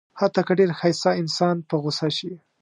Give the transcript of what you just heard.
حتی که ډېر ښایسته انسان په غوسه شي.